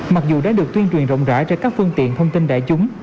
mặc dù đã được tuyên truyền rộng rãi trên các phương tiện thông tin đại chúng